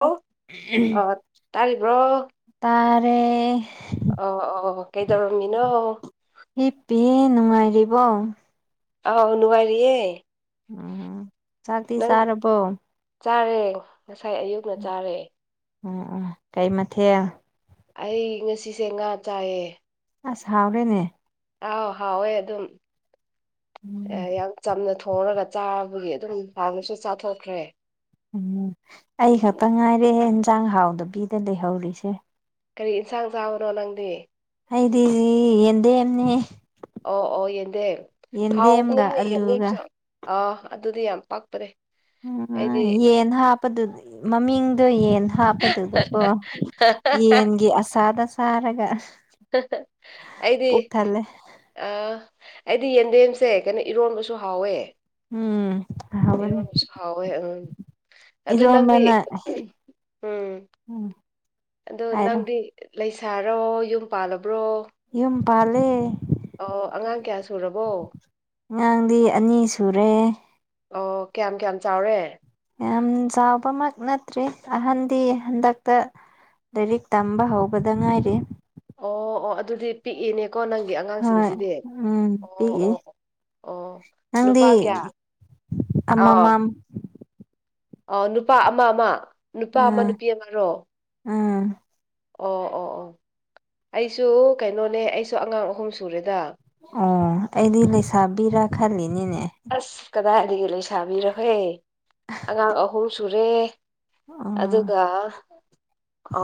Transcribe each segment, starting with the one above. ꯑꯣ ꯑ ꯇꯥꯔꯤꯕ꯭ꯔꯣ ꯇꯥꯔꯦ ꯑ ꯑ ꯀꯩꯗꯧꯔꯝꯃꯤꯅꯣ ꯅꯨꯡꯉꯥꯏꯔꯤꯕꯔꯤꯕ ꯑꯥꯎ ꯅꯉꯌꯦ ꯎꯝ ꯆꯥꯛꯇ ꯁꯥꯔꯔꯕꯣ ꯆꯥꯔꯦ ꯉꯁꯥꯏ ꯑꯌꯨꯛꯅ ꯆꯥꯔꯦ ꯎꯝ ꯎ ꯀꯩ ꯃꯊꯦꯜ ꯑꯩ ꯉꯁꯤꯁꯦ ꯉꯥ ꯆꯥꯏꯌꯦ ꯑꯁ ꯍꯥꯎꯔꯦꯅꯦ ꯑꯥꯎ ꯍꯥꯎꯋꯦ ꯑꯗꯨꯝ ꯎꯝ ꯌꯥꯝ ꯆꯝꯅ ꯊꯣꯡꯔꯒ ꯆꯥꯕꯒꯤ ꯑꯗꯨꯝ ꯍꯥꯡꯅꯁꯨ ꯆꯥꯊꯣꯛꯈ꯭ꯔꯦ ꯎꯝ ꯑꯩ ꯈꯛꯇ ꯉꯥꯏꯔꯦ ꯏꯟꯁꯥꯡ ꯍꯥꯎꯗꯕꯤꯗ ꯂꯩꯍꯧꯔꯤꯁꯦ ꯀꯔꯤ ꯌꯦꯟꯁꯥꯡ ꯆꯥꯕꯅꯣ ꯅꯪꯗꯤ ꯑꯩꯗꯤꯗꯤ ꯌꯦꯟꯗꯦꯝꯅꯤ ꯑꯣ ꯑꯣ ꯌꯦꯟꯗꯦ ꯍꯥꯎꯅꯦ ꯌꯦꯟꯗꯦꯝꯒ ꯑꯂꯨꯒ ꯌꯦꯡꯗꯁꯨ ꯑꯥ ꯑꯗꯨꯗꯤ ꯌꯥꯝ ꯄꯄ꯭ꯔꯦ ꯎꯝ ꯌꯦꯟ ꯍꯥꯞꯄꯗꯨꯗꯤ ꯃꯃꯤꯡꯗꯣ ꯌꯦꯟ ꯍꯥꯞꯄꯗꯨꯗꯀꯣ ꯌꯦꯟꯒꯤ ꯑꯁꯥꯗ ꯁꯥꯔꯒ ꯑꯩꯗꯤ ꯑ ꯑꯩꯗꯤ ꯌꯦꯟꯗꯦꯝꯁꯦ ꯀꯩꯅꯣ ꯏꯔꯣꯟꯕꯁꯨ ꯍꯥꯎꯋꯦ ꯎꯝ ꯍꯥꯎꯕꯅꯦ ꯏꯔꯣꯟꯅꯁꯨ ꯍꯥꯎꯋꯦ ꯎꯝ ꯑꯗꯨ ꯅꯪꯗꯤ ꯏꯔꯣꯝꯕꯅ ꯎꯝ ꯑꯗꯣ ꯍꯥꯏꯔꯣ ꯅꯪꯗꯤ ꯂꯩꯁꯥꯔꯣ ꯌꯨꯝ ꯄꯥꯜꯂꯕ ꯌꯨꯝ ꯄꯂꯦ ꯑꯣ ꯑꯉꯥꯡ ꯀꯌꯥ ꯁꯨꯔꯕꯣ ꯑꯉꯥꯡꯗꯤ ꯑꯅꯤ ꯁꯨꯔꯦ ꯑꯣ ꯀꯌꯥꯝ ꯀꯌꯥꯝ ꯆꯥꯎꯔꯦ ꯌꯥꯝ ꯆꯥꯎꯕꯃꯛ ꯅꯠꯇ꯭ꯔꯦ ꯑꯍꯟꯗꯤ ꯍꯟꯗꯛꯇ ꯂꯥꯏꯔꯤꯛ ꯇꯝꯕ ꯍꯧꯕꯗ ꯉꯥꯏꯔꯦ ꯑꯣ ꯑꯣ ꯑꯗꯨꯗꯤ ꯄꯤꯛꯏꯅꯦꯀꯣ ꯅꯪꯒꯤ ꯍꯣꯏ ꯑꯉꯥꯡꯁꯤꯡꯁꯤꯗꯤ ꯎꯝ ꯑꯣ ꯄꯤꯛꯏ ꯑꯣ ꯑꯣ ꯑꯣ ꯅꯪꯗꯤ ꯅꯨꯄꯥ ꯀꯌꯥ ꯑꯃꯃꯝ ꯑ ꯅꯨꯄꯥ ꯑꯃ ꯑꯃ ꯅꯨꯄꯥ ꯑꯃ ꯅꯨꯄꯤ ꯑꯃꯔꯣ ꯑꯥ ꯑꯣ ꯑꯣ ꯑꯣ ꯑꯩꯁꯨ ꯀꯩꯅꯣꯅꯦ ꯑꯩꯁꯨ ꯑꯉꯥꯡ ꯑꯍꯨꯝ ꯁꯨꯔꯦꯗ ꯑꯣ ꯑꯩꯗꯤ ꯂꯩꯁꯥꯕꯤꯔꯥ ꯈꯜꯂꯤꯅꯦꯅꯦ ꯑꯁ ꯀꯗꯥꯏꯗꯒꯤ ꯂꯣꯏꯁꯥꯕꯤꯔꯍꯦ ꯑꯉꯥꯡ ꯑꯍꯨꯝ ꯁꯨꯔꯦ ꯎꯝ ꯑꯗꯨꯒ ꯑ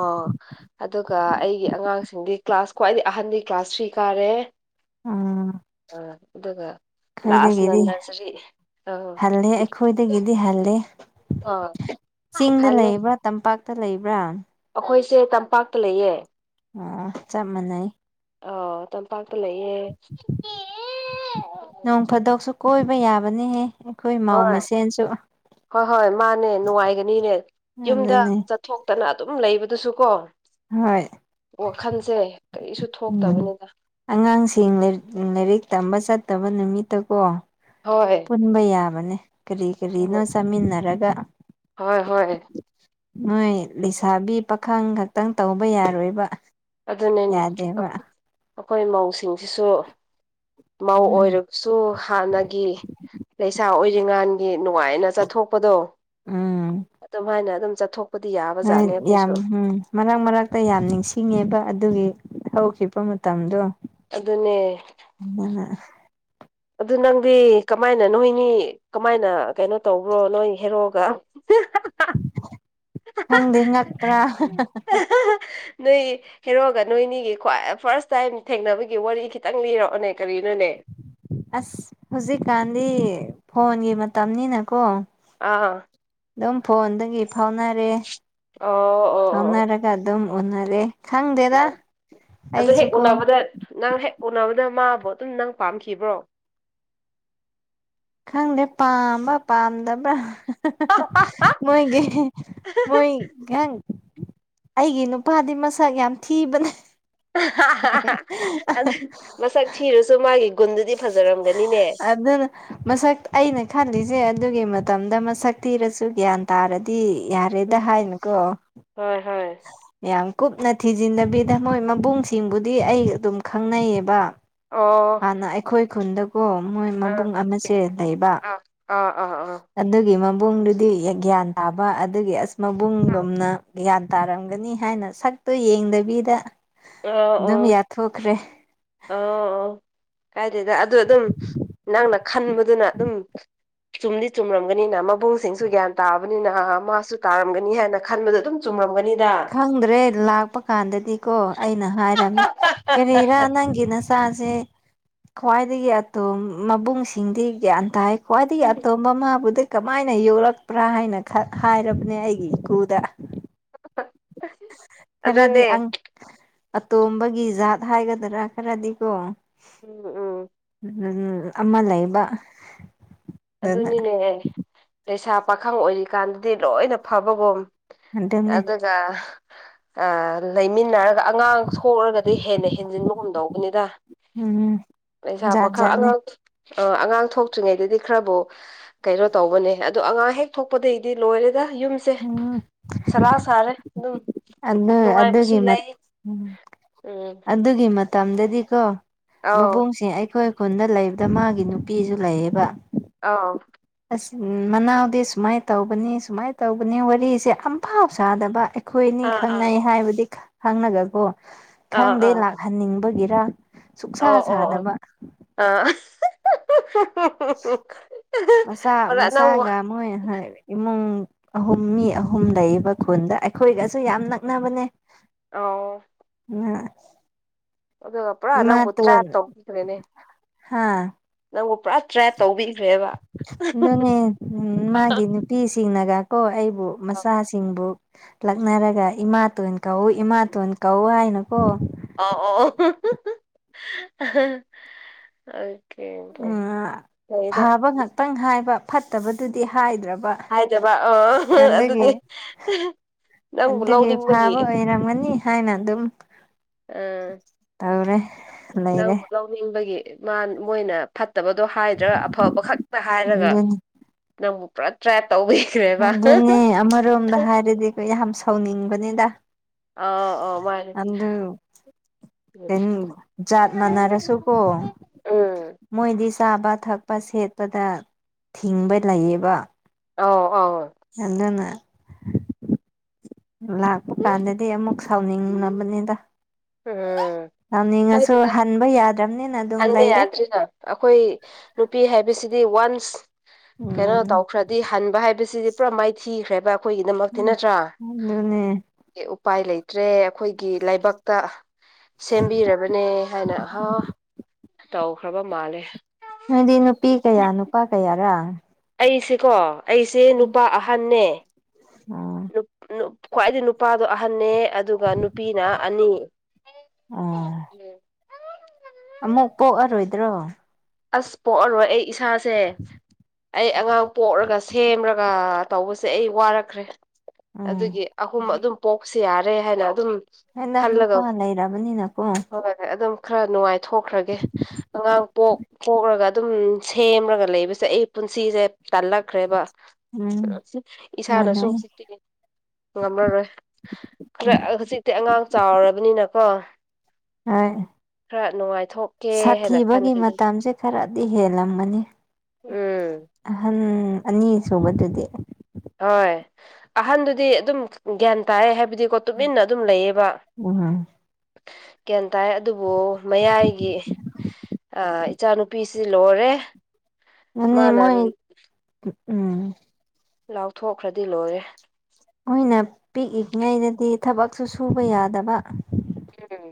ꯑꯗꯨꯒ ꯑꯩꯒꯤ ꯑꯉꯥꯡꯁꯤꯡꯗꯤ ꯀ꯭ꯂꯥꯁ ꯈ꯭ꯋꯥꯏꯗꯒꯤ ꯑꯍꯟꯗꯤ ꯀ꯭ꯂꯥꯁ ꯊ꯭ꯔꯤ ꯀꯥꯔꯦ ꯎꯝ ꯑ ꯏ ꯂꯥꯁ [inaudible] ꯗꯤ ꯍꯜꯂꯦ ꯑꯩꯈꯣꯏꯗꯒꯤꯗꯤ ꯍꯜꯂꯦ ꯑꯥ ꯆꯤꯡꯗ ꯍꯜꯂꯣ ꯂꯩꯕ꯭ꯔꯥ ꯇꯝꯄꯥꯛꯇ ꯂꯩꯕ꯭ꯔꯥ ꯑꯩꯈꯣꯏꯁꯦ ꯇꯝꯄꯥꯛꯇ ꯂꯩꯌꯦ ꯑ ꯆꯞ ꯃꯥꯟꯅꯩ ꯑ ꯇꯝꯄꯥꯛꯇ ꯂꯩꯌꯦ ꯅꯣꯡ ꯐꯥꯗꯣꯛꯁꯨ ꯀꯣꯏꯕ ꯌꯥꯕꯅꯦꯍꯦ ꯑꯩꯈꯣꯏ ꯃꯥꯧ ꯍꯣꯏ ꯃꯁꯦꯟꯁꯨ ꯍꯣꯏ ꯍꯣꯏ ꯃꯥꯅꯦ ꯅꯨꯡꯉꯥꯏꯒꯅꯤꯅꯦ ꯌꯨꯝꯗ ꯑꯗꯨꯅꯤ ꯆꯠꯊꯣꯛꯇꯅ ꯑꯗꯨꯝ ꯂꯩꯕꯗꯨꯁꯨ ꯀꯣ ꯋꯥꯈꯜꯁꯦ ꯀꯔꯤꯁꯨ ꯎꯝ ꯊꯣꯛꯇꯕꯅꯤꯗ ꯑꯉꯥꯡꯁꯤꯡꯛ ꯂꯥꯏꯔꯤꯛ ꯇꯝꯕ ꯆꯠꯇꯕ ꯅꯨꯃꯤꯠꯇ ꯀꯣ ꯍꯣꯏ ꯄꯨꯟꯕ ꯌꯥꯕꯅꯦ ꯀꯔꯤ ꯀꯔꯤꯅꯣ ꯆꯥꯃꯤꯟꯅꯔꯒ ꯍꯣꯏ ꯍꯣꯏ ꯃꯣꯏ ꯂꯩꯁꯥꯕꯤ ꯄꯥꯈꯪ ꯈꯛꯇꯪ ꯇꯧꯕ ꯌꯥꯔꯣꯏꯕ ꯑꯗꯨꯅꯦ ꯌꯥꯗꯦꯕ ꯑꯩꯈꯣꯏ ꯃꯧꯁꯤꯡꯁꯤꯁꯨ ꯃꯧ ꯑꯣꯏꯔꯒꯁꯨ ꯍꯥꯟꯅꯒꯤ ꯂꯩꯁꯥ ꯑꯣꯏ ꯉꯥꯟꯒꯤ ꯅꯨꯡꯉꯥꯏꯅ ꯆꯠꯊꯣꯛꯄꯗꯣ ꯎꯝ ꯑꯗꯨꯝ ꯍꯥꯏꯥꯏꯅ ꯑꯗꯨꯝ ꯆꯠꯊꯣꯛ ꯍꯣꯏ ꯌꯥꯝ ꯎꯝ ꯃꯔꯛ ꯃꯔꯛꯇ ꯌꯥꯝ ꯅꯤꯡꯁꯤꯡꯉꯦꯕ ꯑꯗꯨꯒꯤ ꯍꯧꯈꯤꯕ ꯃꯇꯝꯗꯣ ꯑꯗꯨꯅꯦ ꯑꯗꯨꯅ ꯑꯗꯨ ꯅꯪꯗꯤ ꯀꯃꯥꯏꯅ ꯅꯣꯏꯅꯤ ꯀꯃꯥꯏꯅ ꯀꯩꯅꯣ ꯇꯧꯕ꯭ꯔꯣ ꯅꯣꯏ ꯍꯦꯔꯛꯒ ꯈꯪꯗꯦ ꯉꯛꯄ꯭ꯔꯥ ꯅꯣꯏ ꯍꯦꯔꯣꯒ ꯅꯣꯏꯅꯤꯒꯤ ꯈ꯭ꯋꯥꯏ ꯐꯥꯔꯁ ꯇꯥꯏꯝ ꯊꯦꯡꯅꯕꯒꯤ ꯋꯥꯔꯤ ꯈꯤꯇꯪ ꯂꯤꯔꯛꯑꯣꯅꯦ ꯀꯔꯤꯅꯣꯅꯦ ꯑꯁ ꯍꯧꯖꯤꯛꯀꯥꯟꯗꯤ ꯐꯣꯟꯒꯤ ꯃꯇꯝꯅꯤꯅꯀꯣ ꯑꯥ [inaudible] ꯑꯗꯨꯝ ꯐꯣꯟꯗꯒꯤ ꯐꯥꯎꯅꯔꯦ ꯑꯣ ꯑꯣ [inaudible] ꯑꯣꯟꯅꯗ ꯑꯗꯨꯗꯣ ꯍꯦꯛ ꯎꯅꯥꯕꯗ ꯅꯪ ꯍꯦꯛ ꯎꯅꯥ ꯃꯥꯕꯨꯣ ꯑꯗꯨꯝ ꯅꯪ ꯄꯥꯝꯈꯤꯕ꯭ꯔꯣ ꯈꯪꯗꯦ ꯄꯥꯝꯕ ꯄꯥꯝꯗꯕ꯭ꯔꯥ ꯃꯣꯏꯒꯤ ꯃꯣꯏ ꯀꯪ ꯑꯩꯒꯤ ꯅꯨꯄꯥꯗꯤ ꯃꯁꯛ ꯌꯥꯝ ꯊꯤꯕꯅꯦ ꯑꯗꯨ ꯃꯁꯛ ꯊꯤꯔꯨꯁꯨ ꯃꯥꯒꯤ ꯒꯨꯟꯗꯨꯗꯤ ꯐꯖꯔꯝꯒꯅꯤꯅꯦ ꯑꯗꯨꯅ ꯃꯁꯛ ꯑꯩꯅ ꯈꯜꯂꯤꯁꯦ ꯑꯦ ꯑꯗꯨꯒꯤ ꯃꯇꯝꯗ ꯃꯁꯛ ꯊꯤꯔꯁꯨ ꯒ꯭ꯌꯥꯟ ꯇꯥꯔꯗꯤ ꯌꯥꯔꯦꯗ ꯍꯥꯏꯅꯨꯀꯣ ꯍꯣꯏ ꯍꯣꯏ [inaudible] ꯀꯨꯞꯅ ꯊꯤꯖꯤꯟꯗꯕꯤꯗ ꯃꯣꯏ ꯃꯕꯨꯡꯁꯤꯡꯕꯨꯗꯤ ꯑꯩ ꯑꯗꯨꯝ ꯈꯪꯅꯩꯌꯦꯕ ꯑꯣ ꯍꯥꯟꯅ ꯑꯩꯈꯣꯏ ꯈꯨꯟꯗ ꯑꯣ ꯃꯣꯏ ꯑꯥ ꯃꯕꯨꯡ ꯑꯃꯁꯦ ꯂꯩꯕ ꯑꯥ ꯑꯥ ꯑꯥ ꯑꯗꯨꯒꯤ ꯃꯕꯨꯡꯗꯨꯗꯤ ꯒ꯭ꯌꯥꯟ ꯇꯥꯕ ꯑꯗꯨꯒꯤ ꯑꯁ ꯑꯥ ꯃꯕꯨꯡꯒꯨꯝꯅ ꯒ꯭ꯌꯥꯟ ꯇꯥꯔꯝꯒꯅꯤ ꯍꯥꯏꯅ ꯁꯛꯇꯨ ꯌꯦꯡꯗꯕꯤꯗ ꯑꯗꯨꯝ ꯌꯥꯊꯣꯛꯈ꯭ꯔꯦ ꯑ ꯑꯣ ꯀꯥꯏꯗꯦꯗ ꯑꯗꯨ ꯑꯗꯨꯝ ꯅꯪꯅ ꯈꯟꯕꯗꯨꯅ ꯑꯗꯨꯝ ꯆꯨꯝꯗꯤ ꯆꯨꯝꯔꯝꯒꯅꯤꯅ ꯃꯕꯨꯡꯁꯤꯡꯁꯨ ꯒ꯭ꯌꯥꯟ ꯇꯥꯕꯅꯤꯅ ꯃꯥꯁꯨ ꯇꯥꯔꯝꯒꯅꯤ ꯍꯥꯏꯅ ꯈꯟꯕꯗꯨ ꯑꯗꯨꯝ ꯆꯨꯝꯂꯝꯒꯅꯤ ꯈꯪꯗ꯭ꯔꯦ ꯂꯥꯛꯄ ꯀꯥꯟꯗꯗꯤ ꯀꯣ ꯑꯩꯅ ꯍꯥꯏꯔꯝꯅꯦ ꯀꯔꯤꯔꯥ ꯅꯪꯒꯤ ꯅ ꯆꯥꯁꯦ ꯈ꯭ꯋꯥꯏꯗꯒꯤ ꯑꯇꯣꯝ ꯃꯕꯨꯡꯁꯤꯡꯗꯤ ꯒ꯭ꯌꯥꯟ ꯇꯥꯏ ꯈ꯭ꯋꯥꯏꯗꯤꯗꯒꯤ ꯑꯇꯣꯝꯕ ꯃꯥꯕꯨꯗꯤ ꯀꯃꯥꯏꯅ ꯌꯣꯛꯂꯛꯄ꯭ꯔꯥ ꯍꯥꯏꯅ ꯍꯥꯏꯔꯕꯅꯦ ꯑꯩꯒꯤ ꯏꯀꯨꯗ ꯈꯔꯗꯤ ꯑꯪ ꯑꯗꯨꯅꯦ ꯑꯇꯣꯝꯕꯒꯤ ꯖꯥꯠ ꯍꯥꯏꯒꯗ꯭ꯔꯥ ꯈꯔꯗꯤꯀꯣ ꯎꯝ ꯎꯝ ꯎꯝ ꯑꯃ ꯂꯩꯕ ꯑꯗꯨꯅ ꯑꯗꯨꯅꯤꯅꯦꯍ ꯂꯩꯩꯁꯥ ꯄꯥꯈꯪ ꯑꯣꯏꯔꯤꯀꯥꯟꯗꯗꯤ ꯂꯣꯏꯅ ꯐꯕꯒꯨꯝ ꯑꯗꯨꯅꯦ ꯑꯗꯨꯒ ꯑ ꯂꯩꯃꯤꯟꯅꯔꯒ ꯑꯉꯥꯡ ꯁꯣꯛꯑꯒꯗꯤ ꯍꯦꯟꯅ ꯍꯦꯟꯖꯤꯟꯕ ꯒꯨꯝꯇꯧꯕꯅꯤꯗ ꯎꯝ ꯂꯩꯁꯥ ꯖꯥꯠ ꯄꯥꯈꯥ ꯖꯥꯠꯅꯦ ꯑꯉꯥꯡ ꯑ ꯑꯉꯥꯡ ꯊꯣꯛꯇ꯭ꯔꯤꯉꯩꯗꯗꯤ ꯈꯔꯕꯨ ꯀꯩꯅꯣ ꯇꯧꯕꯅꯦ ꯑꯗꯣ ꯑꯉꯥꯡ ꯍꯦꯛ ꯊꯣꯛꯄꯗꯒꯤꯗꯤ ꯂꯣꯏꯔꯦ ꯑ ꯌꯨꯝꯁꯦ ꯁꯂꯥꯛ ꯁꯥꯔꯦ ꯑꯗꯨꯝ ꯑ ꯅꯨꯡꯉꯥꯏꯕꯁꯨ ꯑꯗꯨꯒꯤ ꯃꯝ ꯂꯩ ꯎꯝ ꯑꯗꯨꯒꯤ ꯃ ꯃꯇꯝꯗꯗꯤꯀꯣ ꯑꯥꯎ ꯃꯕꯨꯡꯁꯦ ꯑꯩꯈꯣꯏ ꯈꯨꯟꯗ ꯂꯩꯕꯗ ꯃꯥꯒꯤ ꯅꯨꯄꯤꯁꯨ ꯂꯩꯌꯦꯕ ꯑꯥ ꯑꯏ ꯃꯅꯥꯎꯗꯤ ꯁꯨꯃꯥꯏꯅ ꯇꯧꯕꯅꯤ ꯁꯨꯃꯥꯏꯅ ꯇꯧꯕꯅꯤ ꯋꯥꯔꯤꯁꯦ ꯑꯝꯐꯥꯎ ꯁꯥꯗꯕ ꯑꯩꯈ ꯍꯣꯏꯅꯤ ꯑꯥ ꯑꯥ ꯈꯪꯅꯩ ꯍꯥꯏꯕꯗꯤ ꯈꯪꯅꯒꯀꯣ ꯑꯥ ꯈꯪꯗꯦ ꯑꯥ ꯂꯥꯛꯍꯟꯅꯤꯡꯕꯒꯤꯔ ꯁꯨꯛꯁꯥ ꯑꯣ ꯑꯣ ꯑꯣ ꯁꯥꯗꯕ ꯑ ꯃꯆꯥꯥ ꯅꯪꯕꯨ ꯃꯆꯥꯥꯒ ꯃꯣꯏ ꯍꯣꯏ ꯏꯃꯨꯡ ꯑꯍꯨꯝ ꯃꯤ ꯑꯍꯨꯝ ꯂꯩꯌꯦꯕ ꯈꯨꯟꯗ ꯑꯩꯈꯣꯏꯒꯁꯨ ꯌꯥꯝ ꯅꯛꯅꯕꯅꯦ ꯑꯣ ꯑ ꯑꯗꯨꯒ ꯄꯨꯔꯥ ꯅꯪꯕꯨ ꯇ꯭ꯔꯥ ꯇꯧꯕꯤꯈꯔꯅꯦ ꯍꯥꯥ ꯅꯪꯕꯨ ꯄꯨꯔꯥ ꯇ꯭ꯔꯦ ꯇꯧꯕꯤꯈ꯭ꯔꯦꯕ ꯑꯗꯨꯅꯦ ꯃꯥꯒꯤ ꯅꯨꯄꯤꯁꯤꯡꯅꯒ ꯀꯣ ꯑꯩꯕꯨ ꯃꯆꯥꯁꯤꯡꯕꯨ ꯂꯛꯅꯔꯒ ꯏꯃꯥꯇꯣꯟ ꯀꯧꯎ ꯏꯃꯥꯇꯣꯟ ꯀꯧꯎ ꯍꯥꯏꯅꯀꯣ ꯑꯣ ꯎꯑ ꯐꯕ ꯉꯥꯛꯇꯪ ꯍꯥꯏꯕ ꯐꯠꯇꯕꯗꯨꯗꯤ ꯍꯥꯏꯗ꯭ꯔꯕ ꯍꯥꯏꯗꯕ ꯑ ꯑꯗꯨꯗꯤ ꯅꯪꯕꯨ ꯑꯗꯨꯒꯤ ꯂꯧꯅꯤꯡꯕꯒꯤ ꯐꯥꯕ ꯑꯣꯏꯔꯝꯒꯅꯤ ꯍꯥꯏꯅ ꯑꯗꯨꯝ ꯑ ꯇꯧꯔꯦ ꯂꯩꯔꯦ ꯅꯪꯕꯨ ꯂꯧꯅꯤꯡꯕꯒꯤ ꯃꯥ ꯃꯣꯏꯅ ꯐꯠꯇꯕꯗꯣ ꯍꯥꯏꯗ꯭ꯔꯒ ꯑꯐꯕ ꯈꯛꯇ ꯍꯥꯏꯔꯒ ꯑꯗꯨꯅꯤ ꯅꯪꯕꯨ ꯄ꯭ꯔ ꯇ꯭ꯔꯦꯞ ꯑꯗꯨꯅꯦ ꯑꯃꯔꯣꯝꯗ ꯍꯥꯏꯔꯗꯤ ꯌꯥꯝ ꯁꯥꯎꯅꯤꯡꯕꯅꯤꯗ ꯑ ꯑ ꯃꯥꯅꯦ ꯑꯗꯨ ꯎꯝ ꯖꯥꯠ ꯃꯥꯅꯔꯁꯨ ꯀꯣ ꯎꯝ ꯃꯣꯏꯗꯤ ꯆꯥꯕ ꯊꯛꯄ ꯁꯦꯠꯄꯗ ꯊꯤꯡꯕ ꯂꯩꯌꯦꯕ ꯑꯧ ꯑꯧ ꯅꯗꯨꯅ ꯂꯥꯛꯄ ꯀꯥꯟꯗꯗꯤ ꯑꯃꯨꯛ ꯁꯥꯎꯅꯤꯡꯅꯕꯅꯤꯗ ꯎꯝ ꯍꯥꯏ ꯍꯟꯕ ꯌꯥꯗ꯭ꯔꯕꯅꯤꯅ ꯑꯗꯨꯝ ꯈꯟꯕ ꯂꯩꯔꯦ ꯌꯥꯗ꯭ꯔꯤꯅ ꯑꯩꯈꯣꯏ ꯅꯨꯄꯤ ꯍꯥꯏꯕꯁꯤꯗꯤ ꯗꯤ ꯋꯥꯟꯁ ꯀꯩꯅꯣ ꯎꯝ ꯇꯧꯈ꯭ꯔꯗꯤ ꯍꯟꯕ ꯍꯥꯏꯕꯁꯤꯗꯤ ꯄꯨꯔꯥ ꯃꯥꯏꯊꯤꯈ꯭ꯔꯦꯕ ꯑꯩꯈꯣꯏꯒꯤꯗꯃꯛꯇꯤ ꯅꯠꯇ꯭ꯔꯥ ꯑꯗꯨꯅꯦ ꯎꯄꯥꯏ ꯂꯩꯇ ꯇ꯭ꯔꯦ ꯑꯩꯈꯣꯏꯒꯤ ꯂꯥꯏꯕꯛꯇ ꯁꯦꯝꯕꯤꯔꯕꯅꯦ ꯍꯥꯏꯅ ꯑꯍ ꯇꯧꯈ꯭ꯔꯕ ꯃꯥꯜꯂꯦ ꯍꯥꯏꯗꯤ ꯅꯨꯄꯤ ꯀꯌꯥ ꯅꯨꯄꯥ ꯀꯌꯥꯔ ꯑꯩꯁꯦꯀꯣ ꯑꯩꯁꯦ ꯅꯨꯄꯥ ꯑꯍꯟꯅꯦ ꯎꯝ ꯈ꯭ꯋꯥꯏꯗꯤ ꯅꯨꯄꯥꯗꯣ ꯑꯍꯟꯅꯅꯦ ꯑꯗꯨꯒ ꯅꯨꯄꯤꯅ ꯑꯅꯤ ꯑꯣ ꯑꯃꯨꯛ ꯀꯣꯛꯑꯔꯣꯏꯗ꯭ꯔꯣ ꯑꯁ ꯄꯣꯛꯑꯔꯣꯏ ꯑꯩ ꯏꯁꯥꯁꯦ ꯑꯩ ꯑꯉꯥꯡ ꯄꯣꯛꯂꯒ ꯁꯦꯝꯔꯒ ꯇꯧꯕꯁꯦ ꯑꯩ ꯋꯥꯔꯛꯈ꯭ꯔꯦ ꯎꯝ ꯑꯗꯨꯒꯤ ꯑꯍꯨꯝ ꯑꯗꯨꯝ ꯄꯣꯛꯁꯨ ꯌꯥꯔꯦ ꯍꯥꯏꯅ ꯑꯗꯨꯝ ꯍꯂ ꯈꯜꯂꯒ ꯅꯨꯄꯥ ꯑꯂ ꯏꯔꯥꯕꯅꯤꯅꯥꯀꯣ ꯍꯣꯏ ꯑꯗꯨꯝ ꯈꯔ ꯅꯨꯡꯉꯥꯏꯊꯣꯛꯈ꯭ꯔꯒꯦ ꯑꯉꯥꯡ ꯄꯣꯛ ꯀꯣꯛꯂꯒ ꯑꯗꯨꯝ ꯁꯦꯝꯔꯒ ꯂꯩꯕꯁꯦ ꯑꯩ ꯄꯨꯟꯁꯤꯁꯦ ꯇꯜꯂꯛꯈ꯭ꯔꯦꯕ ꯎꯝ ꯏꯁꯥꯅꯁꯨ ꯃꯥꯟꯅꯩ ꯍꯧꯖꯤꯛ ꯉꯝꯂꯔꯣꯏ ꯈꯔ ꯍꯧꯖꯤꯛꯇꯤ ꯑꯉꯥꯡ ꯆꯥꯎꯔꯕꯅꯤꯅꯀꯣ ꯍꯣꯏ ꯈꯔ ꯅꯨꯡꯉꯥꯏꯊꯣꯛꯀꯦ ꯍꯥꯏꯅ ꯁꯥꯊꯤꯕꯒꯤ ꯈꯟꯈ ꯑꯗꯨ ꯃꯇꯝꯁꯦ ꯈꯔꯗꯤ ꯍꯦꯜꯂꯝꯒꯅꯤ ꯎꯝ ꯑꯍꯟ ꯑꯅꯤ ꯁꯨꯕꯗꯨꯗꯤ ꯍꯣꯏ ꯑꯍꯟꯗꯨꯗꯤ ꯑꯗꯨꯝ ꯒ꯭ꯌꯥꯟ ꯇꯥꯏ ꯍꯥꯏꯕ ꯗꯤꯀꯣ ꯇꯨꯃꯤꯟꯅ ꯑꯗꯨꯝ ꯂꯩꯌꯦꯕ ꯎꯝ ꯇꯥꯏ ꯑꯗꯨꯕꯨ ꯃꯌꯥꯏꯒꯤ ꯏꯆꯥꯅꯨꯄꯤꯁꯤ ꯂꯣꯏꯔꯦ ꯑꯗꯨꯅꯦ ꯃꯥꯅꯜ ꯃꯣꯏ ꯎꯝ ꯂꯥꯎꯊꯣꯛꯈ꯭ꯔꯗꯤ ꯂꯣꯏꯔꯦ ꯃꯅ ꯄꯤꯛꯏꯛꯉꯩꯗꯗꯤ ꯊꯕꯛꯁꯨ ꯁꯨꯕ ꯌꯥꯗꯕ ꯎꯝ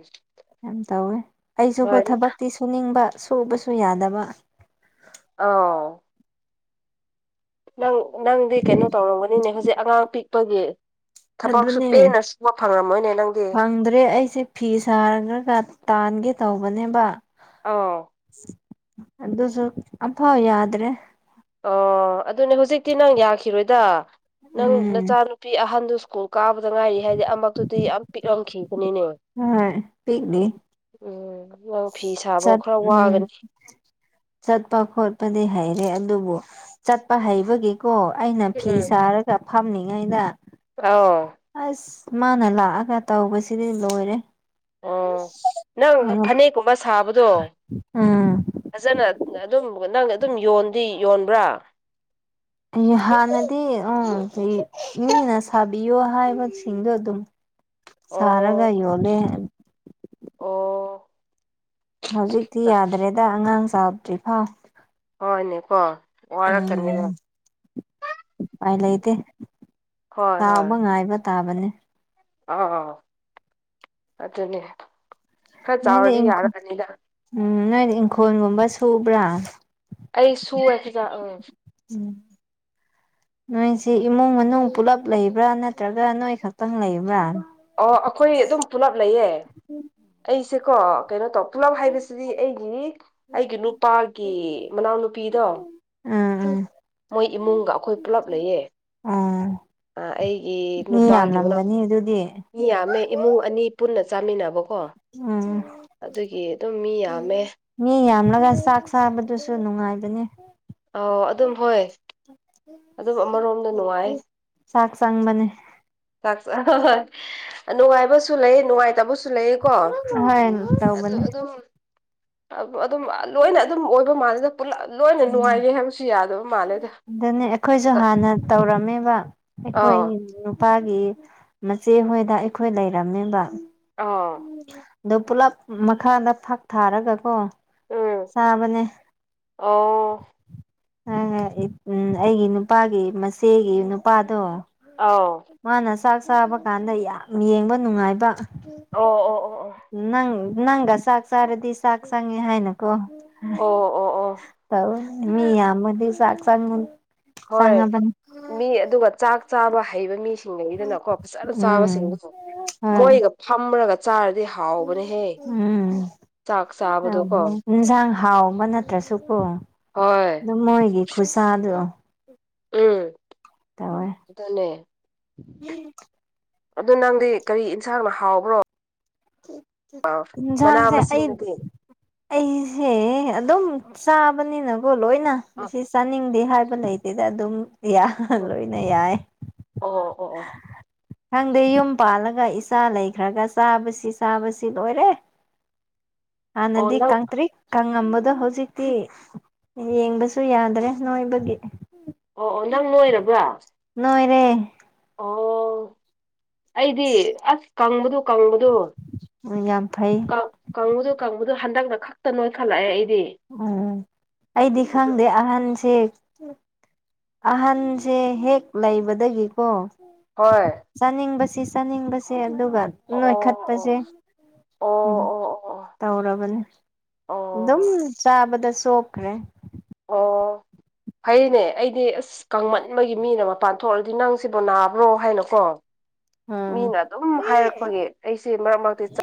ꯌꯥꯝ ꯇꯧꯋꯦ ꯑꯩꯁꯨꯀꯣ ꯍꯣꯏ ꯊꯕꯛꯇꯤ ꯁꯨꯅꯤꯡꯕ ꯁꯨꯕꯁꯨ ꯌꯥꯗꯕ ꯑ ꯅꯪ ꯅꯪꯗꯤ ꯀꯩꯅꯣ ꯇꯧꯔꯝꯒꯅꯤꯅꯦ ꯍꯧꯖꯤꯛ ꯑꯉꯥꯡ ꯄꯤꯛꯄꯒꯤ ꯊꯕꯛꯁꯨ ꯑꯗꯨꯅꯦ ꯄꯦꯟꯅ ꯁꯨꯕ ꯐꯪꯉꯃ ꯐꯪꯗ꯭ꯔꯦ ꯑꯩꯁꯦ ꯐꯤ ꯁꯥꯔꯈ꯭ꯔꯒ ꯇꯥꯟꯒꯦ ꯇꯧꯕꯅꯦꯕ ꯑ ꯑꯗꯨꯗꯁꯨ ꯑꯐꯥꯎ ꯌꯥꯗ꯭ꯔꯦ ꯑꯣ ꯑꯗꯨꯅꯦ ꯍꯧꯖꯤꯛꯇꯤ ꯅꯪ ꯌꯥꯈꯤꯔꯣꯏꯗ ꯅꯪ ꯎꯝ ꯅꯆꯥꯅꯨꯄꯤ ꯑꯍꯟꯗꯨ ꯁ꯭ꯀꯨꯜ ꯀꯥꯕꯗ ꯉꯥꯏꯔꯤ ꯍꯥꯏꯗꯤ ꯑꯃꯛꯇꯨꯗꯤ ꯌꯥꯝ ꯄꯤꯛꯂꯝꯈꯤ ꯁꯤꯅꯤꯅꯦ ꯍꯣꯏ ꯎꯝ ꯅꯪ ꯐꯤ ꯠ ꯁꯥꯕ ꯈꯔ ꯎꯝ ꯋꯥꯒꯅꯤ ꯆꯠꯄ ꯈꯣꯠꯄꯗꯤ ꯍꯔꯦ ꯑꯗꯨꯕꯨ ꯆꯠꯄ ꯍꯩꯕꯒꯤꯀꯣ ꯑꯩꯅ ꯐꯤ ꯎꯝ ꯁꯥꯔꯒ ꯐꯝꯂꯤꯉꯩꯗ ꯑꯥꯎ ꯑꯁ ꯃꯥꯅ ꯂꯥꯛꯑꯒ ꯇꯧꯕꯁꯤꯗꯤ ꯂꯣꯏꯔꯦ ꯑꯣ ꯅꯪ ꯎꯝ ꯐꯅꯦꯛꯀꯨꯝꯕ ꯁꯥꯕꯗꯣ ꯐꯖꯅ ꯑꯗꯨꯝ ꯅꯪꯅ ꯑꯗꯨꯝ ꯌꯣꯟꯗꯤ ꯌꯣꯟꯕ꯭ꯔꯥ ꯍꯥꯟꯅꯗꯤ ꯎ ꯏꯅ ꯁꯥꯕꯤꯌꯣ ꯍꯥꯏꯕꯁꯤꯡꯗꯣ ꯑꯗꯨꯝ ꯑꯣ ꯁꯔꯥꯒꯒꯥꯏ ꯑꯣꯂꯦ ꯍꯥꯏ ꯑꯣ ꯍꯧꯖꯤꯛꯇꯤ ꯌꯥꯗ꯭ꯔꯦꯗ ꯑꯉꯥꯡ ꯆꯥꯗ꯭ꯔꯤ ꯐꯥ ꯍꯣꯏꯅꯦꯀꯣ ꯋꯥꯔꯛꯀꯅꯤ ꯄꯥꯏ ꯂꯩꯇꯦ ꯆꯥꯎꯥꯎꯕ ꯉꯥꯏꯕ ꯇꯥꯕꯅꯦ ꯑꯅꯦ ꯈꯔ ꯅꯣꯏꯗꯤ ꯆꯥꯎꯔꯗꯤ ꯏꯪꯈꯣꯜ ꯌꯥꯔꯕꯅꯤꯗ ꯎꯝ ꯅꯣꯏ ꯏꯪꯈꯣꯜꯒꯨꯝꯕ ꯁꯨꯕ꯭ꯔꯥ ꯑꯩ ꯁꯨꯑꯦ ꯈꯤꯗ ꯎ ꯎꯝ ꯅꯣꯏꯁꯤꯦ ꯏꯃꯨꯡ ꯃꯅꯨꯡ ꯄꯨꯂꯞ ꯂꯩꯕ꯭ꯔꯥ ꯅꯠꯇ꯭ꯔꯒ ꯅꯣꯏ ꯈꯛꯇꯪ ꯂꯩꯕ꯭ꯔꯥ ꯑꯣ ꯑꯩꯈꯣꯏ ꯑꯗꯨꯝ ꯄꯨꯂꯞ ꯂꯩꯌꯦ ꯑꯩꯁꯦꯀꯣ ꯀꯩꯅꯣ ꯇꯧ ꯀ꯭ꯂꯞ ꯍꯥꯏꯕꯁꯤꯗꯤ ꯑꯩꯒꯤ ꯑꯩꯒꯤ ꯅꯨꯄꯥꯒꯤ ꯃꯅꯥꯎꯅꯨꯄꯤꯗꯣ ꯑꯝ ꯎ ꯃꯣꯏ ꯏꯃꯨꯡꯒ ꯑꯩꯈꯣꯏ ꯄꯨꯂꯞ ꯂꯩꯌꯦ ꯎꯝ ꯑꯩꯒꯤ ꯃꯤ ꯅꯨꯄꯥꯒꯤ ꯃꯅꯥꯎ ꯌꯥꯝꯂꯝꯒꯅꯤ ꯑꯗꯨꯗꯤ ꯃꯤ ꯌꯥꯝꯃꯦ ꯏꯃꯨꯡ ꯑꯅꯤ ꯄꯨꯟꯅ ꯆꯥꯃꯤꯟꯅꯕꯣ ꯀꯣ ꯎꯝ ꯑꯗꯨꯒꯤ ꯑꯗꯨꯝ ꯃꯤ ꯌꯥꯝꯃꯦ ꯆꯒ ꯆꯥꯛ ꯆꯥꯕꯗꯨꯁꯨ ꯅꯨꯡꯉꯥꯏꯕꯅꯤ ꯑ ꯑꯗꯨꯝ ꯍꯣꯏ ꯑꯗꯨꯝ ꯑꯃꯔꯣꯝꯗ ꯅꯨꯡꯉꯥꯏ ꯆꯥꯛ ꯆꯪꯕꯅꯦ ꯅꯨꯡꯉꯥꯏꯕ ꯅꯨꯡꯉꯥꯏꯇꯕꯣꯝ ꯍꯣꯏ ꯇꯧꯕꯅꯦ ꯑꯗꯨꯝ ꯂꯣꯏꯅ ꯑꯗꯨꯝ ꯑꯣꯏꯕ ꯃꯥꯟꯅꯗ ꯎꯝ ꯃꯥꯜꯂꯦꯗ ꯑꯗꯨꯅꯤ ꯑꯩꯈꯣꯏꯁꯨ ꯑꯗꯨꯒ ꯍꯥꯟꯅ ꯇꯧꯔꯝꯃꯦꯕ ꯑꯩꯈꯣꯏ ꯑꯥ ꯅꯨꯄꯥꯒꯤ ꯃꯆꯦ ꯍꯣꯏꯗ ꯑꯩꯈꯣꯏ ꯂꯩꯔꯝꯃꯤꯕ ꯑꯥ ꯑꯗꯨ ꯄꯨꯂꯞ ꯃꯈꯥꯗ ꯐꯛ ꯊꯥꯔꯒꯀꯣ ꯎꯝ ꯆꯥꯕꯅꯦ ꯑꯣ ꯎꯝ ꯑꯩꯒꯤ ꯅꯨꯄꯥꯒꯤ ꯃꯆꯦꯒꯤ ꯅꯨꯄꯥꯗꯣ ꯑꯥꯎ ꯃꯥꯅ ꯆꯥꯛ ꯆꯥꯕ ꯀꯥꯟꯗ ꯌꯥꯝ ꯌꯦꯡꯕ ꯅꯨꯡꯉꯥꯏꯕ ꯑꯣ ꯑꯣ ꯑꯣ ꯑꯣ ꯅꯪꯒꯥ ꯁꯥꯥꯛ ꯁꯔꯗꯤ ꯁꯥꯥꯛꯁꯥꯒꯤꯤ ꯍꯥꯏꯅ ꯀꯣ ꯑꯣ ꯑꯣ ꯑꯣ ꯇ ꯃꯤ ꯌꯥ ꯃ ꯁꯥꯥꯛ ꯁꯒ ꯍꯣꯏ ꯃꯤ ꯑꯗꯨꯒ ꯆꯥꯛ ꯆꯥꯕ ꯍꯩꯕ ꯃꯤ ꯊꯤꯡꯉꯒꯤꯗꯅꯀꯣ ꯐꯖꯅ ꯎꯝ ꯆꯥꯕꯁꯤꯡꯗꯨ ꯍꯣꯏ ꯃꯣꯏ ꯐ ꯆ ꯑꯗꯨꯗꯤ ꯍꯥꯎꯕꯅꯦꯍꯦ ꯎꯝ ꯆꯥꯛ ꯆꯥꯕꯗꯣ ꯀꯣ ꯏꯟꯁꯥꯡ ꯍꯥꯎꯕ ꯅꯠꯇ꯭ꯔꯁꯨꯀꯣ ꯍꯣꯏ ꯑꯗꯨ ꯃꯣꯏꯒꯤ ꯈꯨꯠꯁꯥꯗꯣ ꯎꯝ ꯇꯧꯋꯦ ꯑꯗꯨꯦ ꯑꯗꯨ ꯅꯪꯗꯤ ꯀꯔꯤ ꯌꯦꯟꯁꯥꯡꯅ ꯍꯥꯎꯕ꯭ꯔꯣ ꯃꯅꯥ ꯏꯟꯁꯥꯡꯁꯦ ꯑꯩ ꯃꯁꯤꯡꯗꯨꯗꯤ ꯑꯩꯁꯦ ꯑꯗꯨꯝ ꯆꯥꯕꯅꯤꯅꯀꯣ ꯂꯣꯏꯅ ꯑ ꯁꯤ ꯆꯥꯅꯤꯡꯗꯦ ꯍꯥꯏꯕ ꯂꯩꯇꯦꯗ ꯑꯗꯨꯝ ꯑꯣ ꯂꯣꯏꯅ ꯌꯥꯏ ꯑꯣ ꯑꯣ ꯑꯣ ꯈꯪꯗꯦ ꯌꯨꯝ ꯄꯥꯜꯂꯒ ꯏꯆꯥ ꯂꯩꯈ꯭ꯔꯒ ꯆꯥꯕꯁꯤ ꯆꯥꯕꯁꯤ ꯂꯣꯏꯔꯦ [unintelligible] ꯑ ꯑꯣ ꯅꯗꯤ ꯅꯪ ꯀꯪꯇ꯭ꯔꯤ ꯈꯪꯉꯝꯕꯗꯣ ꯍꯧꯖꯤꯛꯇꯤ ꯌꯦꯡꯕꯁꯨ ꯌꯥꯗ꯭ꯔꯦ ꯅꯣꯏꯕꯒꯤ ꯑꯣ ꯑꯣ ꯅꯪ ꯂꯣꯏꯔꯕ꯭ꯔꯥ ꯇꯦ ꯑꯣ ꯑꯩꯗꯤ ꯑꯁ ꯀꯪꯕꯗꯨꯣ ꯀꯪꯕꯗꯨ ꯌꯥꯝ ꯐꯩ ꯀꯥꯡꯕꯨꯗ ꯀꯥꯡꯕꯨꯗ ꯍꯟꯗꯛꯅ ꯈꯛꯇ ꯅꯣꯏꯈꯠꯂꯛꯑꯦ ꯑꯩ ꯎꯝ ꯑꯩꯗꯤ ꯈꯪꯗꯦ ꯑꯍꯟꯁꯦ ꯑꯍꯟꯁꯦ ꯍꯦꯛ ꯂꯩꯕꯗꯒꯤꯀꯣ ꯍꯣꯏ ꯆꯥꯅꯤꯡꯕꯁ ꯑꯁꯤ ꯆꯥꯅꯤꯡꯕꯁꯦ ꯑꯗꯨꯒ ꯑꯣ ꯅꯣꯏꯈꯠꯄꯁꯦ ꯑꯣ ꯎꯝ ꯑꯣ ꯇꯧꯔꯕꯅꯦ ꯑꯗꯨꯝ ꯑꯣ ꯆꯥꯕꯗ ꯁꯣꯈ꯭ꯔꯦ ꯑꯣ ꯐꯩꯅꯦ ꯑꯩꯗꯤ ꯑꯁ ꯀꯥꯡꯃꯟꯕꯒꯤ ꯃꯤꯅ ꯄꯥꯟꯊꯣꯛꯑꯗꯤ ꯅꯪ ꯁꯤꯕꯨ ꯅꯥꯕ꯭ꯔꯣ ꯍꯥꯏꯅꯀꯣ ꯎꯝ ꯃꯤꯅ ꯑꯗꯨꯝ ꯍꯥꯏꯔꯛꯄꯒꯤ ꯑꯩꯁꯦ ꯃꯃꯥꯡꯒꯤ ꯆ